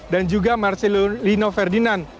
dan juga marcelino ferdinand